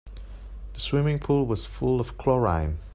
The swimming pool was full of chlorine.